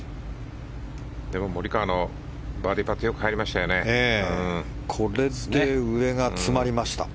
でも、モリカワのバーディーパットよく入りましたよね。